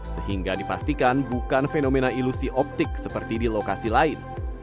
sehingga dipastikan bukan fenomena ilusi optik seperti di lokasi lain